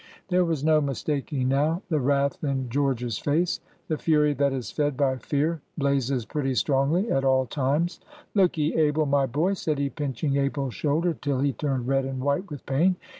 There was no mistaking now the wrath in George's face. The fury that is fed by fear blazes pretty strongly at all times. "Look 'ee, Abel, my boy," said he, pinching Abel's shoulder till he turned red and white with pain.